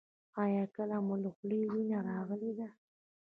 ایا کله مو له خولې وینه راغلې ده؟